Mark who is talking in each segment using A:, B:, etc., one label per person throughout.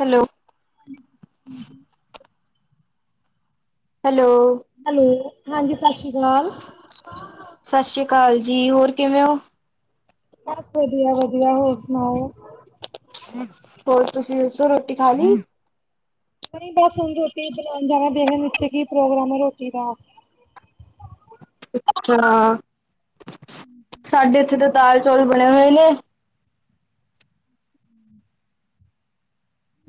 A: Hello.
B: [inaudible]
A: Hello.
B: Hello, ਹਾਂਜੀ ਸਤਿ ਸ਼੍ਰੀ ਅਕਾਲ।
A: ਸਤਿ ਸ਼੍ਰੀ ਅਕਾਲ ਜੀ, ਹੋਰ ਕਿਵੇਂ ਹੋ?
B: ਬਸ ਵਧੀਆ-ਵਧੀਆ, ਹੋਰ ਸੁਣਾਓ?
A: ਹੋਰ, ਤੁਸੀਂ ਦੱਸੋ ਰੋਟੀ ਖਾ ਲੀ?
B: ਨਹੀਂ ਬਸ ਹੁਣ ਰੋਟੀ ਬਣਾਣ ਜਾਣਾ, ਦੇਖਣ ਨਿਚੇ ਕੀ ਪ੍ਰੋਗਰਾਮ ਐ ਰੋਟੀ ਦਾ।
A: ਅੱਛਾ, ਸਾਡੇ ਇੱਥੇ ਤਾਂ ਦਾਲ ਚੌਲ ਬਣੇ ਹੋਏ ਨੇ।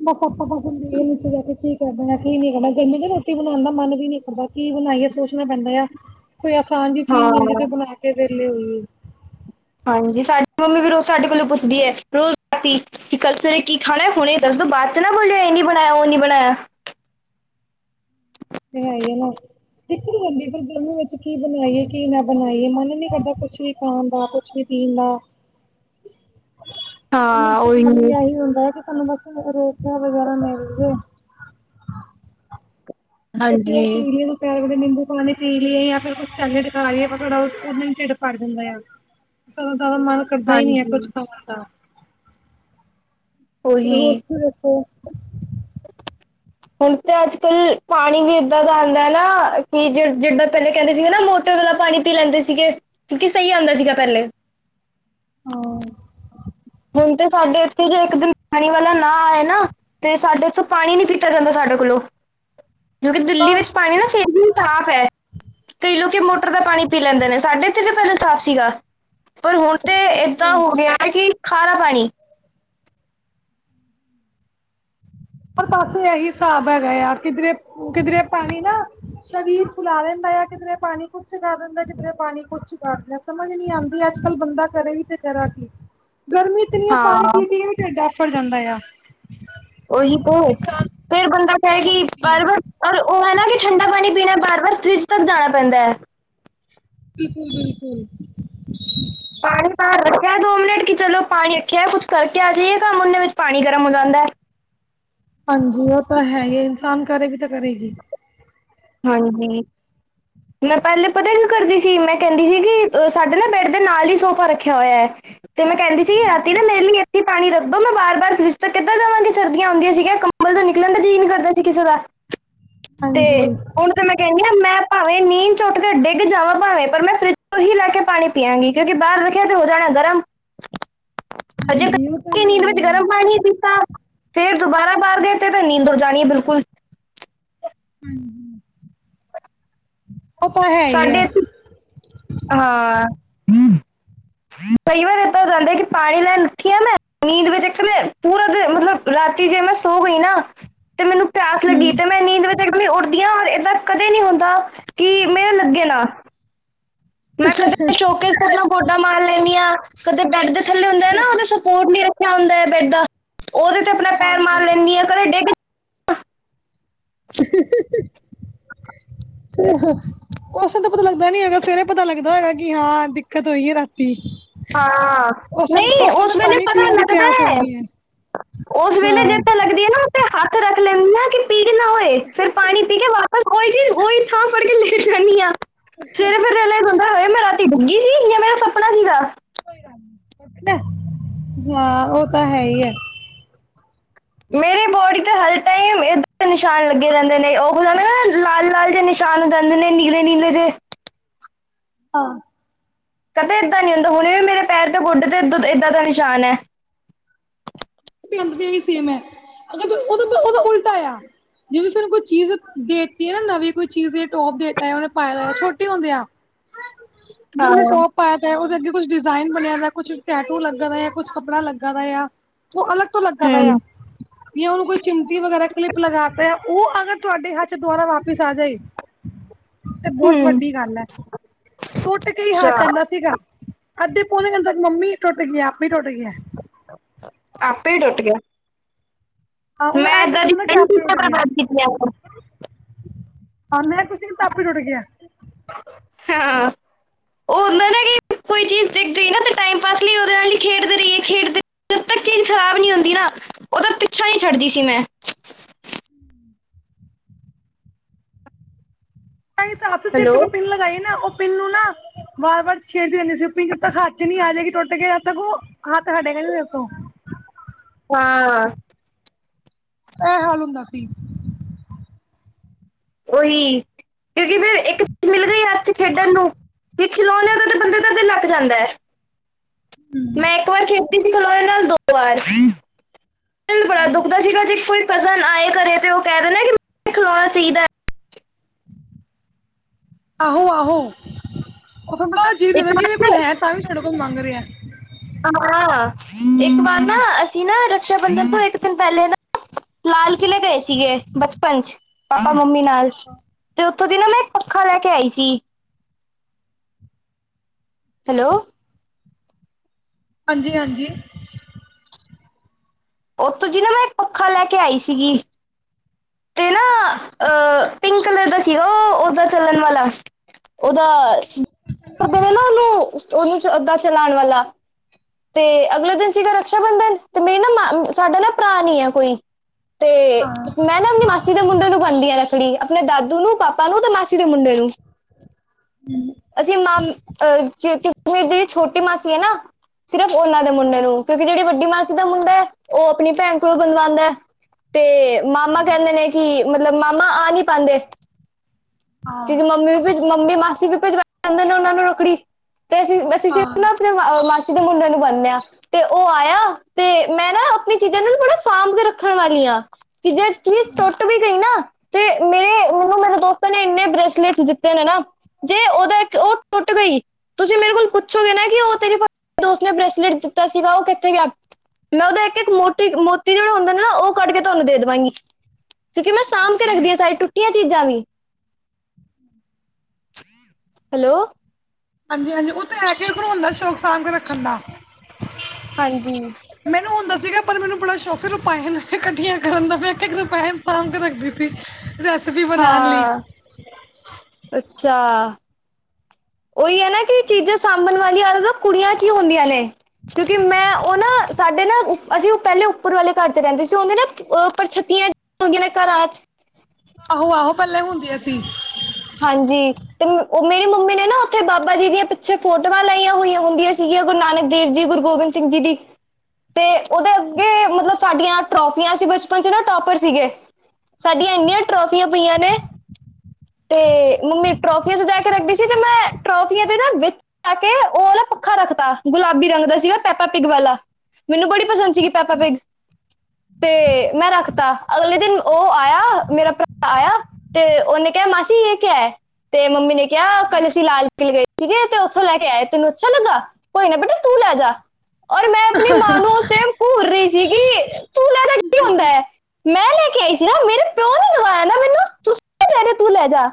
B: ਬਸ ਆਪਾਂ ਬਸ ਨੀਚੇ ਜਾ ਕੇ ਕੀ ਕਰਨਾ, ਕੀ ਨੀ ਕਰਨਾ, ਗਰਮੀ ਚ ਰੋਟੀ ਬਣਾਣ ਦਾ ਮਨ ਵੀ ਨੀ ਕਰਦਾ। ਕੀ ਬਣਾਈਏ ਸੋਚਣਾ ਪੈਂਦਾ ਆ, ਕੋਈ ਆਸਾਨ ਜੀ ਚੀਜ਼
A: ਹਾਂ
B: ਮਿਲ ਜੇ ਤੇ ਬਣਾ ਕੇ ਵਿਹਲੇ ਹੋਈਏ।
A: ਹਾਂਜੀ, ਸਾਡੀ ਮੰਮੀ ਵੀ ਰੋਜ਼ ਸਾਡੇ ਕੋਲੋਂ ਪੁੱਛਦੀ ਐ ਰੋਜ਼ ਰਾਤੀ। ਕੇ ਕੱਲ ਸਵੇਰੇ ਕੀ ਖਾਣਾ, ਹੁਣੇ ਦੱਸਦੋ ਬਾਅਦ ਚ ਨਾ ਬੋਲੈ ਇਹ ਨੀ ਬਣਾਇਆ, ਉਹ ਨੀ ਬਣਾਇਆ।
B: ਇਹ ਹੈ ਹੀ ਏ ਨਾ ਦਿਕਤ ਕਰ ਹੁੰਦੀ ਫੇਰ ਗਰਮੀ ਵਿੱਚ ਕੀ ਬਣਾਈਏ ਕੀ ਨਾ ਬਣਾਈਏ, ਮਨ ਨੀ ਕਰਦਾ ਕੁਛ ਵੀ ਖਣ ਦਾ ਕੁਛ ਵੀ ਕੀ ਨਾ।
A: [inaudible]
B: ਮੈਨੂੰ ਖਾਲੀ
A: ਉਹੀ
B: ਇਹੀ ਹੁੰਦਾ ਹੈ ਕਿ ਤੁਹਾਨੂੰ ਬਸ ਰੋਟੀਆਂ ਵਗੈਰਾ ਮਿਲ ਜੇ ਕਿਉਂਕਿ ਉਹ
A: ਹਾਂਜੀ
B: ਪੀ ਲਿਆ। ਤੇ ਨਿੰਬੂ ਪਾ ਪੀ ਲਈਏ ਜਾਂ ਫਿਰ ਕੁਛ ਸੈਲਡ ਖਾ ਲਈਏ ਆਪਾਂ ਥੋੜਾ ਟੀੜ ਭਰ ਜਾਂਦਾ ਆ।
A: [inaudible]
B: ਤਰਾ ਤਾਰਾ ਜ਼ਿਆਦਾ ਮਨ ਕਰਦਾ ਹੀ ਨੀ ਹੈ ਕੁੱਛ
A: ਹਾਂਜੀ
B: ਖਾਣ ਦਾ ਤੁਸੀਂ ਹੋਰ
A: ਉਹੀ
B: ਤੁਸੀਂ ਦੱਸੋ
A: ਹੁਣ ਤੇ ਅੱਜ-ਕੱਲ੍ਹ ਪਾਣੀ ਵੀ ਇੱਦਾਂ ਦਾ ਆਂਦਾ ਨਾ ਕਿ ਜ ਜਿੱਦਾਂ ਪਹਿਲੇ ਕਹਿੰਦੇ ਸੀਗੇ ਨਾ ਮੋਟਰ ਤਰ੍ਹਾਂ ਦਾ ਪਾਣੀ ਪੀ ਲੈਂਦੇ ਸੀਗੇ, ਕਿਉਂਕਿ ਸਹੀ ਆਂਦਾ ਸੀਗਾ ਪਹਿਲੇ।
B: ਹਾਂ।
A: ਹੁਣ ਤੇ ਸਾਡੇ ਇੱਥੇ ਜੇ ਇੱਕ ਪਾਣੀ ਵਾਲਾ ਨਾਂ ਆਏ ਨਾ ਤੇ ਸਾਡੇ ਉੱਥੋਂ ਪਾਣੀ ਨੀ ਪੀਤਾ ਜਾਂਦਾ ਸਾਡੇ ਕੋਲੋਂ ਕਿਉਂਕਿ ਦਿੱਲੀ ਵਿੱਚ
B: ਬਸ
A: ਪਾਣੀ ਨਾ ਸਹੀ ਨ ਸਾਫ਼ ਐ, ਕਈ ਲੋਕ ਮੋਟਰ ਦਾ ਪਾਣੀ ਪੀ ਲੈਂਦੇ ਨੇ, ਸਾਡੇ ਇਥੇ ਪਹਿਲੇ ਸਾਫ਼ ਸੀਗਾ। ਪਰ ਹੁਣ ਤੇ
B: ਅੱਛਾ
A: ਏਦਾਂ
B: ਅੱਛਾ
A: ਹੋ ਗਿਆ‌ ਨਾ ਕਿ ਖਾਰਾ ਪਾਣੀ
B: ਪਰ ਬਸ ਇਹੀ ਹਿਸਾਬ ਹੈਗਾ ਆ, ਕਿਧਰੇ ਕਿਧਰੇ ਪਾਣੀ ਨਾ ਸਰੀਰ ਫੁਲਾ ਦਿੰਦਾ ਐ, ਕਿਦਰੇ ਪਾਣੀ ਕੁਛ ਕਰ ਦਿੰਦਾਂ, ਕਿਦਰੇ ਪਾਣੀ ਕੁਛ ਕਰ ਦਿੰਦਾ। ਸਮਝ ਨੀ ਆਦੀ ਅੱਜ-ਕੱਲ ਬੰਦਾ ਕਰੇ ਵੀ ਤੇ ਕਰਾ ਕੀ, ਗਰਮੀ ਇਤਨੀ ਐ ਪਾਣੀ
A: ਹਾਂ
B: ਪੀ ਪੀ ਕੇ ਵੀ ਟੀਡ ਆਫਰ ਜਾਂਦਾ ਆ।
A: ਉਹੀ ਤੋ
B: ਇਨਸਾਨ
A: ਫੇਰ ਬੰਦਾ
B: ਕਿੰਨਾ
A: ਕਹਿ ਕੀ
B: ਪਾਣੀ
A: ਪਵ
B: ਪੀਏਗਾ
A: ਔਰ ਉਹ ਹੈ ਨਾ ਕਿ ਠੰਡਾ ਪਾਣੀ ਪੀਣਾ, ਬਾਰ ਬਾਰ ਫਰਿਜ਼ ਤੱਕ ਜਾਣਾ ਪੈਂਦਾ ਐ।
B: ਬਿਲਕੁਲ- ਬਿਲਕੁਲ।
A: ਪਾਣੀ ਬਾਰ ਰੱਖਿਆ ਦੋ ਮਿੰਟ, ਕਿ ਚਲੋਂ ਪਾਣੀ ਰੱਖਿਆਂ ਕੁੱਛ ਕਰਕੇ ਆ ਜਾਈਏ ਕੰਮ, ਉਹਨੇ ਵਿੱਚ ਪਾਣੀ ਗਰਮ ਹੋ ਜਾਂਦਾ।
B: ਹਾਂਜੀ ਉਹ ਤਾਂ ਹੈ ਹੀ। ਕੰਮ ਕਰੇਗੀ ਤੇ ਕਰੇ ਗੀਤ।
A: ਹਾਂਜੀ। ਮੈਂ ਪਹਿਲੇ ਪਤਾ ਕੀ ਕਰਦੀ ਸੀ, ਮੈਂ ਕਹਿੰਦੀ ਸੀਗੀ ਅ ਸਾਡੇ ਨਾ ਬੈਡ ਦੇ ਨਾਲ ਹੀ ਸੋਫਾ ਰੱਖਿਆ ਹੋਇਆ ਐ। ਤੇ ਮੈਂ ਕਹਿੰਦੀ ਸੀਗੀ ਰਾਤੀ ਨਾ ਮੇਰੇ ਲਈ ਇੱਥੇ ਪਾਣੀ ਰੱਖ ਦੋ, ਮੈਂ ਬਾਰ- ਬਾਰ ਫਰੀਜ ਤਕ ਕਿੱਦਾਂ ਜਾਵਾਂਗੀ ਸਰਦੀਆਂ ਆਉਂਦੀ ਸੀਗੀਆਂ। ਮਤਲਬ ਤਾਂ ਨਿਕਲਣ ਦਾ ਜੀ ਨੀ ਕਰਦਾ ਸੀ ਕਿਸੇ ਦਾ ਤੇ
B: ਹਾਂਜੀ
A: ਹੁਣ ਤਾਂ ਮੈਂ ਕਹਿੰਦੀ ਆ, ਮੈਂ ਭਾਵੇ ਨੀਂਦ ਚੋਂ ਉੱਠਕੇ ਡਿੱਗ ਜਾਵਾਂ ਭਾਵੇਂ, ਪਰ ਮੈਂ ਫਰਿੱਜ ਤੋਂ ਹੀ ਲਹਿ ਕੇ ਪਾਣੀ ਪੀ ਆਂਗੀ ਕਿਉਂਕਿ, ਬਾਹਰ ਵੇਖਿਆ ਜੇ ਹੋ ਜਾਣਾ ਗਰਮ। ਅਜੇ ਜੇ
B: ਹਾਂਜੀ ਉਹ ਤਾਂ
A: ਕੱਚੀ
B: ਹੈ
A: ਨੀਂਦ ਵਿੱਚ
B: ਹੀ ਹੈ
A: ਗਰਮ ਪਾਣੀ ਪੀਤਾ। ਫੇਰ ਦੁਬਾਰਾ ਬਾਹਰ ਗਏ ਤੇ ਤਾਂ, ਨੀਂਦ ਉਡ ਜਾਣੀ ਐ, ਬਿਲਕੁਲ।
B: ਹੂੰ- ਹੂੰ ਉਹ ਤਾਂ ਹੈ ਹੀ
A: ਸਾਡੇ
B: ਐ।
A: ਇੱਥੇ- ਹਾਂ। ਕਈ ਵਾਰ ਏਦਾਂ ਹੋ ਜਾਂਦੇ, ਕਿ ਪਾਣੀ ਲੈਣ ਉੱਠੀ ਆ ਮੈਂ, ਨੀਂਦ ਵਿੱਚ ਇੱਕ ਤਾਂ ਨਾ ਪੂਰਾ ਦੇ ਮਤਲਬ ਰਾਤੀ ਜੇ ਮੈਂ ਸੋ ਗਈ ਨਾ, ਤੇ ਮੈਨੂੰ ਪਿਆਸ ਲੱਗੀ
B: ਹਮ
A: ਤੇ ਮੈਂ ਨੀਂਦ ਵਿੱਚ ਇੱਕ ਉੱਠਦੀ ਆ ਔਰ ਇਦਾ ਕਦੇ ਨੀ ਹੁੰਦਾ, ਕਿ ਮੇਰਾ ਲੱਗੇ ਨਾ। ਮੈਂ ਕਦੇ ਸ਼ੋਕੇ ਗੋਡਾ ਮਾਰ ਲੈਂਦੀ ਆ, ਕਦੇ ਬੈਡ ਦੇ ਥੱਲੇ ਹੁੰਦੇ
B: ਹੂੰ- ਹੂੰ।
A: ਸਪੋਰਟ ਨ ਰੱਖਿਆ ਹੁੰਦਾ ਐ ਬੈਡ ਦਾ, ਉਹਦੇ ਤੇ ਆਪਣਾ ਪੈਰ ਮਾਰ
B: ਹਾਂਜੀ
A: ਲੈਂਦੀ ਹੈ ਕਦੇ ਡਿੱਗ
B: [unintelligible] ਉਸੇ ਤਾਂ ਪਤਾ ਲੱਗਦਾ ਨੀ ਹੋਏਗਾ, ਸਵੇਰੇ ਪਤਾ ਲੱਗਦਾ ਹੈਗਾ ਕਿ, ਹਾਂ ਦਿੱਕਤ ਹੋਈ ਹੈ ਰਾਤੀ।
A: ਹਾਂ
B: ਉਸ ਟ
A: ਨਹੀਂ
B: ਉਸ ਟੇਮ ਤਾਂ
A: ਵੇਲੇ
B: ਪਾਣੀ
A: ਪਤਾ
B: ਪੀਣ ਦੀ
A: ਲੱਗਦਾ
B: ਪਿਆਸ ਹੋਂਦੀ ਹੈ।
A: ਉਸ ਵੇਲੇ
B: ਹਾਂ
A: ਜੇ ਤਾਂ ਲੱਗਦੀ ਐ ਨਾ ਉਹ ਤੇ ਹੱਥ ਰੱਖ ਲੈਂਦੀ ਆ ਕਿ ਪੀੜ ਨਾ ਹੋਏ, ਫੇਰ ਪਾਣੀ ਪੀ ਕੇ ਵਾ ਬ ਉਹੀ ਚੀਜ਼ ਓਹੀ ਥਾਂ ਫੜ ਕੇ ਲੈਟ ਜਾਂਨੀ ਐ, ਸਵੇਰੇ ਫ ਲੇ ਗੁੰਦਾ ਹੋਆ ਮੈਂ ਰਾਤੀ ਓਠਗੀ ਸੀ, ਜਾਂ ਮੇਰਾ ਸੁਪਨਾ ਸੀਗਾ।
B: ਕੋਈ ਗੱਲ ਨੀ, ਹਾਂ ਉਹ ਤਾਂ ਹੈ ਹੀ ਐ।
A: ਮੇਰੇ ਬੋਡੀ ਤੇ ਹਰ ਟਾਈਮ ਨਿਸ਼ਾਨ ਲੱਗੇ ਰਹਿੰਦੇ ਨੇ ਉਹ ਹੋਂਦੇ ਨਾ ਲਾਲ- ਲਾਲ ਜੇ ਨਿ- ਨਿਸਾਨ ਦੰਦੇ ਨੇ ਨੀਲੇ- ਨੀਲੇ ਜੇ
B: ਆ
A: ਕਦੇ ਏਦਾਂ ਨੀ ਹੁੰਦਾ, ਹੁਣੇ ਵੀ ਮੇਰੇ ਪੈਰ ਤੇ ਗੁੱਡੇ ਤੇ ਇਏ ਇਏਦਾਂ ਦਾ ਨਿਸ਼ਾਨ ਐ।
B: ਅੰਦਰ ਦੀਆਂ ਵੀ ਸੈਮ ਐ, ਅਗਰ ਉ ੳਦਾ ਦੋਂ ਉਲਟਾ ਆ। ਜਿਵੇਂ ਸਾਨੂੰ ਕੋਈ ਚੀਜ਼ ਦੇਤੀ ਐ ਨਾ ਨਵੀਂ ਕੋਈ ਚੀਜ਼ ਟੋਪ ਦੇਤਾ ਉਹਨੇ ਪਾਇਆ ਹੋਇਆ ਛੋਟੇ ਹੁੰਦੇ ਆ
A: ਹਾਂ
B: ਜੋ ਵੀ ਟੋਪ ਪਾਇਆਦਾ ਉਹਦੇ ਅੱਗੇ ਕੁਛ ਡਿਜ਼ਾਇਨ ਬਣਿਆ ਵੇ, ਕੁਛ ਟੈਟੂ ਲੱਗ ਰਿਹਾ, ਕੁਛ ਕੱਪੜਾ ਲੱਗਾ ਵਾ। ਤ ਅਲਗ ਤੋਂ ਲੱਗਦਾ ਭ
A: ਹੂੰ
B: ਯਾਰ। ਜਾਂ ਉਹਨੂੰ ਕੋਈ ਚਿਮਚੀ ਵਗੈਰਾ ਕਲਿਪ ਲਗਾ ਤੇ ਹੈ ਉਹ ਅਗਰ ਤੁਹਾਡੇ ਹੱਥ ਚ ਦੁਬਾਰਾ ਵਾਪਿਸ ਆ ਜਾਏ।
A: [inaudible]
B: ਤੇ ਬਹੁਤ
A: ਹੂੰ
B: ਵੱਡੀ ਗੱਲ ਹੈ, ਟੱਟ ਕੇ ਹੀ
A: ਅੱਛਾ
B: ਹਥ ਆਂਦਾ ਸੀਗਾ। ਅੱਧੇੋ, ਪੌਣੇ ਘੰਟੇ ਤੱਕ ਮੰਮੀ ਟੁਟ ਗਿਆ, ਆਪੇ ਹੀ ਟੁੱਟ ਗਿਆ।
A: ਆਪੇ ਹੀ ਟੁੱਟ ਗਿਆ।
B: ਹਾਂ ਉਹ
A: ਮੈਂ ਇਦਾਂ ਦੀ
B: ਐਦਾ, ਕਿ
A: ਕਈ
B: ਆਪਾਂ
A: ਚੀਜ਼ਾਂ
B: ਉੱਠ ਗਿਆ।
A: ਬਰਬਾਦ ਕੀਤੀਆਂ
B: ਹਾਂ ਮੇਰਾ ਕੁਛ ਨੀ ਟੱਪ ਰੁੜ ਗਿਆ।
A: ਹਾਂ ਉਹਨਾਂ ਦਾ ਕਿ ਕੋਈ ਚੀਜ਼ ਦਿਸ ਗਈ ਟਈਮ। ਫਸਲੀ ਉਦੇ। ਖੇਡਦੇ ਰਹੀਏ ਖੇਡਦੇ, ਜਦ ਤੱਕ ਚੀਜ਼ ਖਰਾਬ ਨਹੀ ਹੁੰਦੀ ਨਾ, ਉਹਦਾ ਪਿੱਛਾ ਨਹੀਂ ਛੱਡਦੀ ਸੀ ਮੈਂ।
B: ਮੇਰੇ ਹਿਸਾਬ ਚ ਸਿਰ ਚ
A: ਹੈਲੋ
B: ਕੋਈ ਪਿੰਨ ਲਗਾਈਏ ਨਾ, ਉਹ।
A: [inaudible]
B: ਵਾਰ-ਵਾਰ ਛੇੜਦੇ ਰਹਿੰਦੇ ਸੀ ਯੁਪੀ ਤੱਕ ਹੱਥ ਚ ਨੀ ਆ ਜੇਗੀ ਟੁੱਟ ਕੇ ਹੱਥ ਚ ਓਦੋਂ ਤੱਕ, ਓਹ ਹੱਥ ਹਟੇਗਾ ਨੀ ਓਥੋਂ।
A: ਹਾਂ।
B: ਐਹ ਹਾਲ ਹੁੰਦਾ ਸੀ।
A: ਓਈ ਕਿਉਂਕਿ ਫਿਰ ਇੱਕ ਚੀਜ਼ ਮਿਲ ਗਈ ਐ ਅੱਜ ਖੇਡਣ ਨੂੰ, ਵੀ ਖਿਲੋਣਿਆਂ ਦਾ ਬੰਦੇ ਦਾ ਦਿਲ ਲੱਗ ਜਾਂਦਾ ਐ।
B: ਹਮ
A: ਮੈਂ ਇੱਕ ਵਾਰ ਖੇਡੀ ਸੀ ਖਲੋਨੇ ਨਾਲ ਦੋ ਵਾਰ, ਦਿਲ ਬੜਾ ਦੁਖਦਾ ਸੀ ਜੇ ਕੋਈ ਕਜ਼ਨ ਆਏ ਘਰੇ ਤੇ ਉਹ ਕਹਿ ਰਏ ਨੇ ਕਿ ਖਿਲਾਉਣਾ ਚਾਹੀਦਾ।
B: ਆਹੋ- ਆਹੋ ਉਹਥ ਬੜਾ ਅਜੀਬ
A: ਹੈ।
B: ਲੱਗਦਾ
A: ਇੱਕ
B: ਕਿ,
A: ਵਾਰ
B: ਇਹਦੇ
A: ਨਾ
B: ਕੋਲ ਹੈ। ਤਾਂ ਵੀ ਸਾਡੇ ਕੋਲ ਮੰਗ ਰਿਹਾ।
A: ਕੰਮ ਖਰਾਬ ਆ, ਇੱਕ ਵਾਰ ਨਾ ਅਸੀਂ ਨਾ ਰਕਸ਼ਾ ਬੰਧਨ ਤੋਂ ਇੱਕ ਦਿਨ ਪਹਿਲੇ ਨਾ ਲਾਲ ਕਿਲੇ ਗਏ ਸੀਗੇ, ਬਚਪਨ ਚ ਪਾਪਾ- ਮੰਮੀ ਨਾਲ, ਤੇ ਉੱਥੋਂ ਦੀ ਨਾ ਮੈਂ ਇੱਕ ਪੱਖਾ ਲੈ ਕੇ ਆਈ ਸੀ। ਹੈਲੋ,
B: ਹਾਂਜੀ-ਹਾਂਜੀ।
A: [unintelligible] ਉਹਤੋਂ ਜੀ ਨਾ, ਮੈਂ ਇੱਕ ਪੱਖਾ ਲੈ ਕੇ ਆਈ ਸੀਗੀ। ਤੇ
B: ਅੱਛਾ -ਅੱਛਾ।
A: ਤੇ ਉਹ ਓਦਾ ਚੱਲਣ ਵਾਲਾ ੳਦਾ ਕਰਦੇਵੇ ਨਾ ਉਹਨੂੰ। ਓਹੀ ਜੋ ਅੱਧਾ ਚਲਾਣ ਵਾਲਾ। ਤੇ ਅਗਲੇ ਦਿਨ ਸੀਗਾ ਰਕਸ਼ਾ ਬੰਧਨ ਤੇ ਮੇਰੀ ਨ ਮਾ ਸਾਡਾ ਨਾ ਭਰਾ ਨੀ ਹੈ ਕੋਈ। ਤੇ, ਮੈਂ ਨਾ ਆਪਣੀ ਮਾਸੀ ਦੇ ਮੁੰਡੇ ਨੂੰ ਬੰਨਦੀ ਆਂ ਰੱਖੜੀ, ਆਪਣੇ ਦਾਦੂ ਨੂੰ ਪਾਪਾ ਨੂੰ ਤੇ ਮਾਸੀ ਦੇ ਮੁੰਡੇ ਨੂੰ।
B: ਹੂੰ
A: ਅਸੀਂ ਮਾਅ ਅਹ ਫੇ ਜਿਹੜੀ ਛੋਟੀ ਮਾਸੀ ਹੈ ਨਾ, ਸਿਰਫ਼ ਉਹਨਾਂ ਦੇ ਮੁੰਡੇ ਨੂੰ ਕਿਉਂਕਿ ਜਿਹੜੀ ਵੱਡੀ ਮਾਸੀ ਦਾ ਮੁੰਡਾ ਹੈ ਉਹ ਆਪਣੀ ਭੈਣ ਕੋਲੋਂ ਬਣਵਾਉਂਦਾ ਹੈ ਤੇ ਮਾਮਾ ਕਹਿੰਦੇ ਨੇ ਕਿ ਮਤਲਬ ਮਾਮਾ ਆ ਨਹੀਂ ਪਾਉਂਦੇ।
B: ਹਾਂ
A: ਚਿੱਜ ਮੰਮੀ ਵੀ ਭਿੱਜ ਮੰਮੀ ਮਾਸੀ ਵੀ ਭਿਜਵਾ ਜਾਂਦੇ ਨੇ ਉਹਨਾਂ ਨੂੰ ਰੱਖੜੀ ਤੇ ਅਸੀਂ ਅਸੀ
B: ਹਾਂ
A: ਸਿਰਫ ਨ ਤੇ ਓਹ ਮਾਸੀ ਦੇ ਮੁੰਡੇ ਨੂੰ ਬੰਨਿਆ। ਤੇ ਉਹ ਆਇਆ, ਤੇ ਮੈਂ ਨਾ ਆਪਣੀ ਚੀਜ਼ਾਂ ਨੂੰ ਥੋੜਾ ਸਾਂਭ ਕੇ ਰੱਖਣ ਵਾਲੀ ਆਾਂ। ਕਿ ਜੇ ਚੀਜ਼ ਟੁੱਟ ਵੀ ਗਈ ਨਾ, ਤੇ ਮੇਰੇ ਮੈਨੂੰ ਮੇਰੇ ਦੋਸਤਾਂ ਨੇ ਏਨੇ ਬ੍ਰੇਸਲੇਟ ਦਿਤੇ ਨੇ ਨਾ, ਜੇ ਉਹਦੇ ਇੱਕ ਉਹ ਟੁੱਟ ਗਈ। ਤੁਸੀਂ ਮੇਰੇ ਕੋਲ ਪੁੱਛੋਗੇ ਨਾ ਕਿ ਉਹ ਤੇਰੇ ਦੋਸਤ ਨੇ ਬ੍ਰੇਸਲੇਟ ਦਿੱਤਾ ਸੀਗਾ ਉਹ ਕਿੱਥੇ ਗਿਆ। ਮੈਂ ਉਹਦਾ ਇੱਕ ਇੱਕ ਮੋਤੀ ਮੋਤੀ ਜਿਹੜਾ ਹੁੰਦਾ ਨਾ ਉਹ ਕੱਢ ਕੇ ਤੁਹਾਨੂੰ ਦੇ ਦੇਵਾਂਗੀ। ਕਿਉਂਕਿ ਮੈਂ ਸਾਂਭ ਕੇ ਰੱਖਦੀ ਆਂ ਸਾਰੀ ਟੁੱਟੀਆਂ ਚੀਜ਼ਾਂ ਵੀ। ਹੈਲੋ,
B: ਹਾਂਜੀ ਹਾਂਜੀ ਉਹ ਤੇ ਹੈ ਕੇ ਬਣਾਉਣ ਦਾ ਸ਼ੋਕ ਸਾਂਭ ਕੇ ਰੱਖਣ ਦਾ
A: ਹਾਂਜੀ
B: ਮੈਨੂੰ ਹੁੰਦਾ ਸੀਗਾ ਪਰ ਮੈਨੂੰ ਬੜਾ ਸ਼ੌਕ ਸੀ, ਰੁਪਹਿਣ ਇਕੱਠੀਆਂ ਕਰਨ ਦਾ ਮੈਂ ਆਕਿ ਰੁਪੈਣ ਸਾਂਭ ਕੇ ਰੱਖਦੀ ਸੀ। ਰੈਸਪੀ ਬਣਾਉਣ ਲਈ।
A: [inaudible] ਅੱਛਾ। ਉਹੀ ਹੈ ਨਾ ਕਿ ਚੀਜ਼ਾਂ ਸਾਂਭਣ ਵਾਲੀਆਂ ਆ ਕੁੜੀਆਂ ਚ ਹੀ ਹੁੰਦੀਆਂ ਨੇ। ਕਿਉਂਕਿ ਮੈਂ ਉਹ ਨਾ-ਸਾਡੇ ਨਾ ਅਸੀਂ ਉਹ ਪਹਿਲੇ ਉੱਪਰ ਵਾਲੇ ਘਰ ਚ ਰਹਿੰਦੇ ਸੀ ਉਹਨੇ ਨਾ ਪੜਛੱਤੀਆਂ ਗੀ ਨਾ ਘਰਾਚ
B: ਆਹੋ- ਆਹੋ ਪਹਿੱਲੇ ਹੁੰਦੀਏ ਸੀ।
A: ਹਾਂਜੀ ਤੇ ਉਹ ਮੇਰੀ ਮੰਮੀ ਨੇ ਨਾ ਉੱਥੇ ਬਾਬਾ ਜੀ ਦੀਆਂ, ਪਿੱਛੇ ਫੋਟੋਆਂ ਲਾਈਆਂ ਹੋਈਆਂ ਹੁੰਦੀਆਂ। ਧੀ ਐ ਓਹ ਗੁਰੂ ਨਾਨਕ ਦੇਵ ਜੀ ਗੁਰੂ ਗੋਬਿੰਦ ਸਿੰਘ ਜੀ ਦੀ। ਤੇ ਉਹਦੇ ਅੱਗੇ ਮਤਲਬ ਸਾਡੀਆਂ ਟਰੋਫੀਆਂ ਸੀ, ਬਚਪਨ ਚ ਨਾ ਟੋਪਰ ਸੀਗੇ। ਸਾਡੀਆਂ ਇੰਨੀਆਂ ਟਰੋਫੀਆਂ ਪਈਆਂ ਨੇ। ਤੇ ਮੰਮੀ ਟਰੋਫੀਆਂ ਸਜਾ ਕੇ ਰੱਖਦੀ ਸੀ ਤੇ ਮੈਂ ਟਰੋਫੀਆਂ ਵਿਚ। ਆ ਕੇ ਉਹ ਨਾ ਪੱਖਾ ਰੱਖਤਾ, ਗੁਲਾਬੀ ਰੰਗ ਦਾ ਸੀਗਾ ਪੈਪਾ ਪਿੱਗ ਵਾਲਾ। ਮੈਨੂੰ ਬੜੀ ਪਸੰਦ ਸੀਗੀ ਪ ਪਾਪਾ ਪਿਗ। ਤੇ ਮੈਂ ਰੱਖਤਾ, ਅਗਲੇ ਦਿਨ ਉਹ ਆਇਆ, ਮੇਰਾ ਭਰਾ ਆਇਆ ਤੇ ਉਹਨੇ ਕਿਹਾ ਮਾਸੀ ਇਹ ਕਿਹਾ ਹੈ? ਤੇ ਮੰਮੀ ਨੇ ਕਿਆ, ਕੱਲ ਅਸੀਂ ਲਾਲ ਕਿਲ੍ਹੇ ਗਏ ਸੀਗੇ ਤੇ ਓਥੋਂ ਲੈ ਕੇ ਆਏ ਤੈਨੂੰ ਅੱਛਾ ਲੱਗਾ। ਕੋਈ ਨਾ ਬੇਟਾ ਤੂੰ ਲੈ ਜਾ ਔਰ ਮੈਂ। ਆਪਣੀ ਮਾਂ
B: ਹਹ!
A: ਨੂੰ ਉਸ ਘੂਰ ਰਹੀ ਸੀਗੀ, ਤੂੰ ਲੈ ਤਾਂ ਕੀ ਹੁੰਦਾ ਹੈ। ਮੈਂ ਲੈ ਕੇ ਆਈ ਸੀ ਨਾ ਮੇਰੇ ਪਿਓ ਨੇ ਦਵਾਇਆ ਨਾ ਮੈਨੂੰ, ਤੁਸ ਲੈ ਜਾ।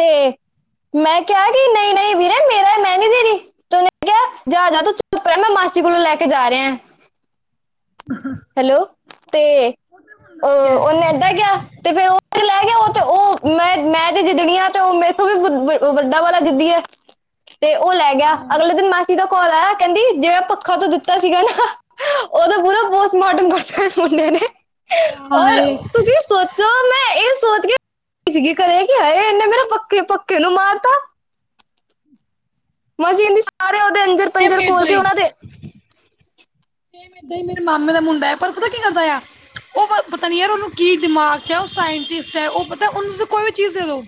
A: ਤੇ ਮੈਂ ਕਿਹਾ 'ਗਈ ਨਹੀਂ ਨਹੀਂ ਵੀਰਾ ਮੈਂ ਨਹੀਂ ਦੇਨੀ ਤੱਕ ਉਹਨੇ' ਜਾਂ ਜਾ ਤ ਚੁੱਪ ਰਿਹਾ ਮੈਂ ਮਾਸੀ ਕੋਲੋਂ ਲੈ ਕੇ ਜਾ ਰਿਹਾ।
B: ਅਹਾਂ
A: ਹੈਲੋ, ਤੇ ਅ
B: ਸਹੀ ਹੈ
A: ਓਹਨੇ ਏਦਾਂ ਕਿਆ ਤੇ ਫਿਰ ਉਹ [unintelligible] ਤੇ ਓਹ ਤੇ ਓਹ ਮੈਂ-ਮੈਂ ਜੇ ਜਿੱਦਣੀ ਆ ਤੇ ਓਹ ਮੇਰੇ ਤੋਂ ਵੀ ਵੱਡਾ ਵਾਲਾ ਜਿੱਦੀ ਐ। ਤੇ ਉਹ ਲੈ ਗਿਆ ਅਗਲੇ ਦਿਨ ਮਾਸੀ ਦਾ ਕਾਲ ਆਇਆ ਕਹਿੰਦੀ ਜਿਵੇ ਪਖਾਂ ਤੂ ਦਿੱਤਾ ਸੀਗਾ ਨਾ ਉਹਦਾ ਪੂਰਾ ਪੋਸਟਮਾਰਟਮ ਕਰਤਾ ਇਸ ਮੁੰਡੇ ਨੇ,
B: ਹਾਂ
A: ਔਰ
B: ਹਾਏ
A: ਤੁਸੀਂ ਵੀ ਸੋਚ ਚ ਮੈਂ ਇਹ ਸੋਚ ਕੇ ਸੀਗੀ ਘਰੇ ਕਿ ਹ ਇਹਨੇ ਮੇਰੇ ਪੱਕੇ ਪੱਕੇ ਨੂੰ ਮਾਰਤਾ। ਮਾਸੀ ਕੇਂਦੀ ਸਾਰੇ ਉਹਦੇ
B: ਸੇਮ
A: ਅੰਜਰ-ਪੰਜਰ ਖੋਲ
B: ਏਦਾਂ
A: ਕੇ
B: ਹੀ
A: ਉਹਨਾਂ ਦੇ
B: ਸੇਮ ਏਦਾਂ ਈ ਮੇਰੇ ਮਾਮੇ ਦਾ ਮੁੰਡਾ ਏ ਪਰ ਪਤਾ ਓਹ ਕੀ ਕਰਦਾ ਆ ਉਹ ਪਤਾ ਨੀ ਯਾਰ ਉਹਨੂੰ ਕੀ ਦਿਮਾਗ ਚ ਉਹ ਸਾਇੰਟਿਸਟ ਹੈ, ਉਹ ਪਤਾ ਉਹਨੂੰ ਤੁਸੀਂ ਕੋਈ ਵੀ ਚੀਜ਼ ਦੇ ਦੋ।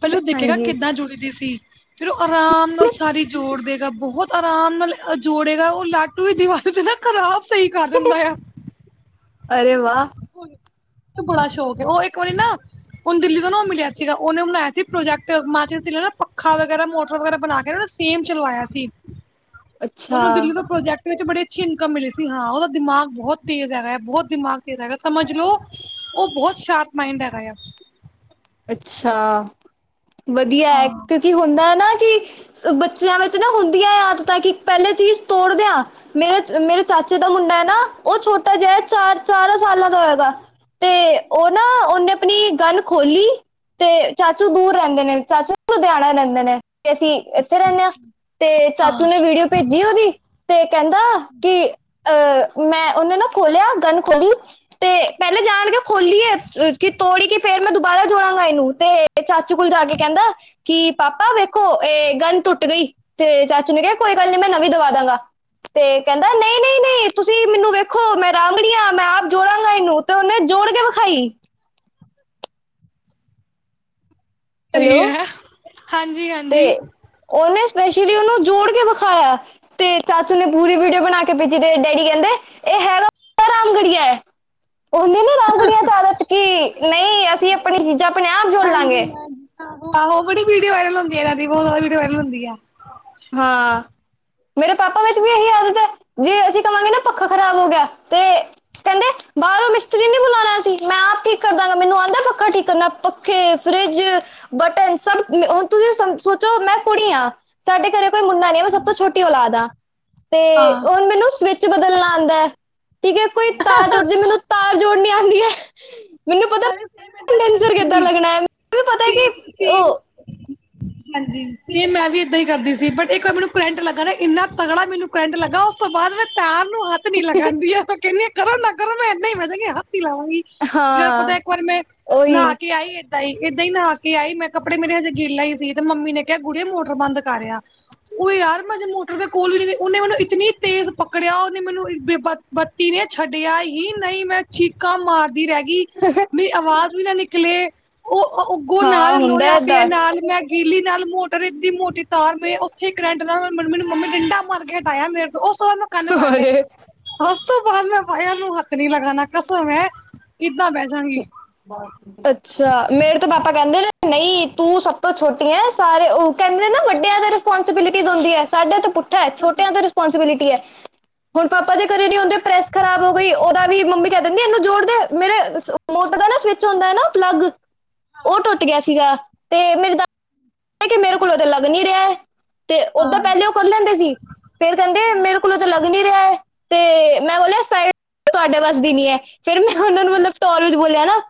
B: ਪਹਿਲੋਂ ਦੇਖੇਗਾ
A: ਹਾਂਜੀ
B: ਕਿੱਦਾਂ ਜੁੜਦੀ ਸੀ। ਫੇਰ ਉਹ ਆਰਾਮ ਨਾਲ ਸਾਰੀ ਜੋੜ ਦੇਗਾ ਬਹੁਤ ਆਰਾਮ ਨਾਲ ਜੋੜੇਗਾ ਉਹ ਲਾਗਦੇ। ਤੂੰ ਵਸ ਤੇ ਨਾ ਖ਼ਰਾਬ ਸਹੀ ਕਰ ਦਿੰਦਾ ਆ।
A: ਅਰੇ ਵਾਹ!
B: ਤੂੰ ਬੜਾ ਸ਼ੌਕ ਉਹ ਇੱਕ ਵਾਰੀ ਨਾ। ਹੁਣ ਦਿੱਲੀ ਤੋਂ ਨਾ ਉਹ ਮਿਲਿਆ ਸੀਗਾ ਉਹਨੇ ਬਣਾਇਆ ਸੀ ਪ੍ਰੋਜੈਕਟ ਮਾਚਸ ਤਿਲਾਂ ਪੱਖਾ ਵਗੈਰਾ ਮੋਟਰ ਵਗੈਰਾ ਬਣਾ ਕੇ ਸੇਮ ਚਲਵਾਇਆ ਸੀ,
A: ਅੱਛਾ
B: ਉਹਨੂੰ ਦਿੱਲੀ ਤੋਂ ਪ੍ਰੋਜੈਕਟ ਵਿੱਚ ਬੜੀ ਅੱਛੀ ਇਨਕਮ ਮਿਲੀ ਸੀ ਹਾਂ, ਉਹਦਾ ਦਿਮਾਗ ਬਹੁਤ ਤੇਜ ਹੈਗਾ ਐ ਬਹੁਤ ਦਿਮਾਗ ਹੈਗਾ ਸਮਝ ਲਓ ਉਹ ਬਹੁਤ ਸ਼ਾਰਪ ਮਾਈੰਡ ਹੈਗਾ ਆ।
A: ਅੱਛਾ, ਵਦੀਆ ਐ
B: ਹਾਂ
A: ਕਿਉਂਕਿ ਹੁੰਦਾ ਨਾ ਕਿ ਬੱਚਿਆਂ ਵਿੱਚ ਨਾ ਹੁੰਦੀਆਂ ਆਦਤਾਂ ਕਿ ਪਹਿਲੇ ਚੀਜ਼ ਤੋੜ ਦਿਆਂ ਮੇਰੇ ਅ ਮੇਰੇ ਚਾਚੇ ਦਾ ਮੁੰਡਾ ਐ ਨਾ, ਉਹ ਛੋਟਾ ਜਿਹਾ ਏ ਚਾਰ ਚਾਰਾਂ ਸਾਲਾਂ ਦਾ ਹੋਏਗਾ। ਤੇ ਉਹ ਨਾ ਉਹਨੇ ਆਪਣੀ ਗੰਨ ਖੋਲੀ। 'ਤੇ ਚਾਚੂ ਦੂਰ ਰਹਿੰਦੇ ਨੇ ਚਾਚੂ ਲੁਧਿਆਣਾ ਰਹਿੰਦੇ ਨੇ ਤੇ ਅਸੀਂ ਇੱਥੇ ਰਹਿਨੇ ਹਾਂ। ਤੇ ਚਾਚੂ
B: ਹਾਂ
A: ਨੇ ਵੀਡੀਓ ਭੇਜ ਜੀ ਉਹਦੀ, ਤੇ ਕਹਿੰਦਾ, ਕਿ ਅਹ ਮੈਂ ਉਹਨੇ ਨਾ ਖੋਲਿਆ ਗੰਨ ਖੋਲੀ ਤੇ ਪਹਿਲੇ ਜਾਣ ਕੇ ਖੋਲੀ ਹੈ ਕਿ ਤੋੜੀ ਕੇ ਫੇਰ ਮੈਂ ਦੁਬਾਰਾ। ਜੋੜਾਂਗਾ ਇਹਨੂੰ ਤੇ ਚਾਚੂ ਕੋਲ ਜਾ ਕੇ ਕਹਿੰਦਾ। ਕਿ ਪਾਪਾ ਵੇਖੋ ਇਹ ਗੰਨ ਟੁੱਟ ਗਈ ਤੇ ਚਾਚੂ ਨੇ ਕਿਹਾ ਕੋਈ ਗੱਲ ਨੀ ਮੈਂ ਨਵੀਂ ਦਵਾ ਦਾਂਗਾ। ਤੇ ਕਹਿੰਦਾ ਨਹੀਂ ਨਹੀਂ ਨਹੀਂ ਤੁਸੀਂ ਮੈਨੂੰ ਵੇਖੋ ਮੈਂ ਰਾਂਗੜੀਆਂ ਮੈਂ ਆਪ ਜੋੜਾਂਗਾ ਇਹਨੂੰ। ਤੇ ਉਹਨੇ ਜੋੜ ਕੇ ਵਿਖਾਈ। ਹੈਲੋ
B: ਸਹੀ ਹੈ ਹਾਂਜੀ ਹਾਂਜੀ।
A: ਤੇ ਉਹਹਨੇ ਸਪੈਸ਼ਲੀ ਉਹਨੂੰ ਜੋੜ ਕੇ ਵਿਖਾਇਆ। ਤੇ ਚਾਚੂ ਨੇ ਪੂਰੀ ਵੀਡੀਓ ਬਣਾ ਕੇ ਭੇਜੀ ਤੇ ਡੈਡੀ ਕਹਿੰਦੇ ਇਹ ਹੈਗਾ। ਰਾਮਗੜੀਆ ਏ। ਉਹਨੇ ਨ ਰਾਮਗੜੀਆਂ ਚ ਆਦਤ ਕਿ ਨਹੀਂ ਅਸੀਂ
B: ਆਹੋ
A: ਆਪਣੀ ਚੀਜ਼ਾਂ ਆਪਣੇ ਆਪ ਜੋੜ
B: ਹਾਂਜੀ
A: ਲਾਂਗੇ।
B: ਹਾਂਜੀ ਆਹੋ ਬੜੀ ਵੀਡੀਓ ਵਾਇਰਲ ਹੁੰਦੀ ਹੈ। ਇਹਨਾਂ ਦੀ ਬਹੁਤ ਬਹੁਤ ਵੀਡੀਓ ਵਾਇਰਲ ਹੁੰਦੀ ਆ।
A: ਹਾਂ। ਮੇਰੇ ਪਾਪਾ ਵਿੱਚ ਵੀ ਇਹੀ ਆਦਤ ਹੈ ਜੇ ਅਸੀਂ ਕਹਾਂਗੇ ਨਾ ਪੱਖਾ ਖ਼ਰਾਬ ਹੋ ਗਿਆ ਤੇ। ਕਹਿੰਦੇ ਬਾਹਰੋਂ ਮਿਸਤਰੀ ਨੀ ਬੁਲਾਉਣਾ ਅਸੀ ਮੈਂ ਆਪ ਠੀਕ ਕਰ ਦਾਂਗਾ ਮੈਨੂੰ ਆਂਦਾ ਪੱਖਾ ਠੀਕ ਕਰਨਾ। ਪੱਖੇ ਫਰਿਜ ਬਟਨ ਸਭ ਹੁਣ ਤੁਸੀਂ ਸੋਚੋ ਮੈਂ ਕੁੜੀ ਹਾਂ। ਸਾਡੇ ਘਰੇ ਕੋਈ ਮੁੰਡਾ ਨਹੀਂ ਏ ਮੈਂ ਸਭ ਤੋਂ ਛੋਟੀ ਔਲਾਦ ਆਂ ਤੇ
B: ਹਾਂ
A: ਹੁਣ ਮੈਨੂੰ ਸਵਿਚ। ਬਦਲਣਾ ਆਉਂਦਾ ਹੈ ਠੀਕ ਹੈ ਕੋਈ ਤਾਰ ਟੁੱਟਦੀ ਮੈਨੂੰ ਤਾਰ ਜੋੜਨੀ ਆਉਂਦੀ ਹੈ। ਮੈਨੂੰ ਪਤਾ
B: ਨਾਲੇ ਸੇਮ ਏਦਾਂ ਹੀ
A: ਕੰਡੈਂਸਰ ਕਿੱਦਾਂ
B: ਕਰਦੀ
A: ਲੱਗਣਾ ਹੈ। ਮੈਨੂੰ ਪਤਾ ਕਿ
B: ਸੀ ਸੇਮ ਸੇਮ
A: ਉਹ
B: ਹਾਂਜੀ ਤੇ ਮੈਂ ਵੀ ਇਦਾਂ ਹੀ ਕਰਦੀ ਸੀ ਬਟ ਇੱਕ ਵਾਰੀ ਮੈਨੂੰ ਕਰੈਂਟ ਲੱਗਾ ਨਾ ਇੰਨਾ ਤਗੜਾ ਮੈਨੂੰ। ਕਰੰਟ ਲੱਗਾ ਉਸ ਤੋਂ ਬਾਅਦ ਫਿਰ ਤਾਰ। ਹੱਥ ਨੀ ਲਗਾਉਂਦੀ ਕਹਿੰਨੀ ਕਰੋ ਨਾ ਕਰੋ ਮੈਂ ਇਦਾਂ ਹੀ ਮਰਨੀ ਹੱਥ ਨੀ ਲਾਵਾਂਗੀ। ਯਾਰ ਪਤਾ
A: ਹਾਂ
B: ਇੱਕ ਵਾਰੀ ਮੈਂ ਨਹਾ
A: ਉਹੀ
B: ਕੇ ਆਈ। ਏਦਾਂ ਹੀ ਨਹਾ ਕੇ ਆਈ ਮੈਂ ਕੱਪੜੇ ਮੇਰੇ ਹਜੇ ਗਿਲੇ ਹੀ ਸੀ ਤੇ ਮੰਮੀ ਨੇ ਕਿਹਾ ਕੁੜੀਏ ਮੋਟਰ ਬੰਦ ਕਰ ਆ। ਉਹ ਯਾਰ ਮੈਂ ਮੋਟਰ ਦੇ ਕੋਲ ਵੀ ਨ ਉਹਨੇ ਮੈਨੂੰ ਇਤਨੀ ਤੇਜ਼ ਪਕੜਿਆ ਉਹਨੇ ਮੈਨੂੰ। ਬੱਤੀ ਨੇ ਛੱਡਿਆ ਹੀ ਨਹੀਂ ਮੈਂ ਚੀਕਾਂ ਮਾਰਦੀ ਰਹਿ ਗਈ।
A: ਹ।
B: ਆਵਾਜ਼ ਵੀ ਨਾ ਨਿਕਲੇ ਉਹ ਉੱਗੋ
A: ਹਾਂ
B: ਨਾਲ
A: ਹੁੰਦਾ
B: ਲੋਹਿਆ ਪਿਆ
A: ਏਦਾਂ
B: ਨਾਲ। ਮੈਂ ਗਿੱਲੀ ਨਾਲ ਮੋਟਰ ਦੀ ਮੋਟੀ ਤਾਰ ਮ ਉੱਥੇ ਕਰੰਟ ਨਾਲ ਮੈਨੂੰ ਮੰਮੀ ਡਿੰਡਾ ਮਰ ਕੇ ਹਟਾਇਆ ਮੇਰੇ ਤੋਂ। ਉਸ ਤੋਂ ਬਾਅਦ ਮੈਂ ਕੰਨ ਫੜ ਲਏ
A: ਅਰੇ
B: ਉਸ ਤੋਂ ਬਾਅਦ ਮੈਂ ਬਾਹਿਆਂ ਨੂੰ ਹੱਥ ਨੀ ਲਗਾਣਾ ਕਸਮ ਏ। ਕਿੱਦਾਂ ਬੈ ਜਾਂਗੀ।
A: ਬਹੁਤ। ਅੱਛਾ ਮੇਰੇ ਤੇ ਪਾਪਾ ਕਹਿੰਦੇ ਰਹੇ ਨਹੀਂ ਤੂੰ ਸਭ ਤੋਂ ਛੋਟੀ ਹੈ ਸਾਰੇ ਉਹ ਕਹਿੰਦੇ ਨਾ ਵੱਡਿਆਂ ਤੇ। ਰਿਸਪੋਂਸੀਬਿਲਿਟੀ ਹੁੰਦੀ ਹੈ ਸਾਡੇ ਤੋਂ ਪੁੱਠਾ ਛੋਟਿਆਂ ਤੇ ਰਿਸਪੋਂਸੀਬਿਲਿਟੀ ਹੁੰਦੀ ਹੈ। ਹੁਣ ਪਾਪਾ ਦੇ ਕਦੇ ਨੀ ਹਦੇ ਪ੍ਰੈਸ ਖਰਾਬ ਹੋ ਗਈ ਉਹਦਾ ਵੀ ਮੰਮੀ ਕਹਿ ਦਿੰਦੀ ਇਹਨੂੰ ਜੋੜਦੇ ਮੇਰੇ। ਪਤਾ ਨਾ ਸਵਿਚ ਹੁੰਦਾ ਹੈ ਨਾ ਪਲੱਗ ਉਹ ਟੁੱਟ ਗਿਆ ਸੀਗਾ, ਤੇ ਮੇਰੇ ਦਾ। ਕਿ ਮੇਰੇ ਕੋਲੋਂ ਤੇ ਲੱਗ ਨਹੀਂ ਰਿਹਾ ਹੈ ਤੇ ਓਦਾਂ
B: ਹਾਂ
A: ਪਹਿਲੇ ਉਹ ਕਰ ਲੈਂਦੇ ਸੀ। ਫੇਰ ਕਹਿੰਦੇ ਮੇਰੇ ਕੋਲੋਂ ਤਾਂ ਲੱਗ ਨਹੀ ਰਿਹਾ ਹੈ ਤੇ ਮੈਂ ਬੋਲਿਆ ਸਾਈਡ। ਤੁਹਾਡੇ ਬਸ ਦੀ ਨਹੀਂ ਹੈ ਫੇਰ ਮੈਂ ਉਹਨਾਂ ਨੂੰ ਮਤਲਬ ਟੋਰ ਵਿੱਚ ਬੋਲਿਆ ਨਾ।